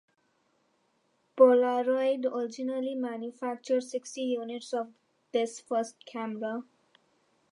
Polaroid originally manufactured sixty units of this first camera.